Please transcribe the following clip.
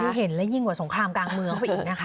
นี่เห็นแล้วยิ่งกว่าสงครามกลางเมืองอีกนะคะ